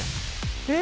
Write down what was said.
え！